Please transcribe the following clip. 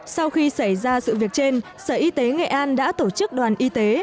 sau khi xảy ra sự việc trên sở y tế nghệ an đã tổ chức đoàn y tế